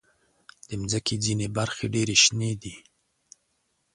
د مځکې ځینې برخې ډېر شنې دي.